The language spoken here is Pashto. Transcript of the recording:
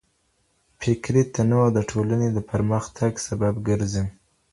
فکري تنوع د ټولني د پرمختګ سبب ګرځي.